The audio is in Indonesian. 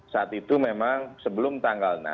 saat itu memang sebelum tanggal enam